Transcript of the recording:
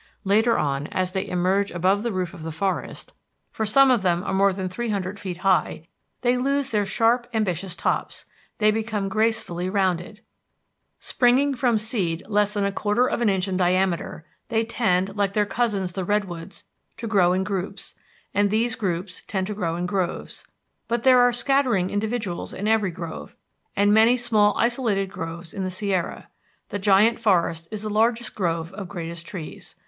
Later on, as they emerge above the roof of the forest, for some of them are more than three hundred feet high, they lose their sharp ambitious tops; they become gracefully rounded. Springing from seed less than a quarter of an inch in diameter, they tend, like their cousins the redwoods, to grow in groups, and these groups tend to grow in groves. But there are scattering individuals in every grove, and many small isolated groves in the Sierra. The Giant Forest is the largest grove of greatest trees.